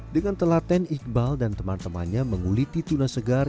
dengan telaten iqbal dan teman temannya menguliti tuna segar